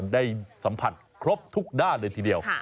ได้สัมผัสครบทุกด้านเลยทีเดียว